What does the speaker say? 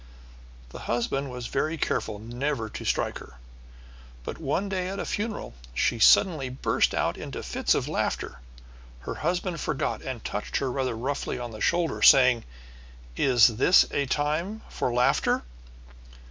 The husband was very careful never to strike her. But one day at a funeral she suddenly burst out into fits of laughter. Her husband forgot, and touched her rather roughly on the shoulder, saying, "Is this a time for laughter?"